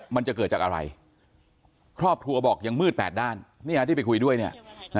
มันจะเกิดจากอะไรครอบครัวบอกยังมืดแปดด้านที่ไปคุยด้วยเนี่ย